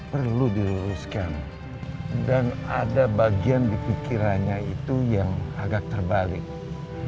perlu diluruskan dan ada bagian dipikirannya itu yang agak terburu buru